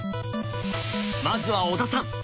まずは小田さん。